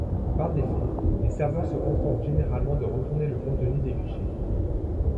Par défaut, les serveurs se contentent généralement de retourner le contenu des fichiers.